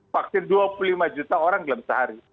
vaksin dua puluh lima juta orang dalam sehari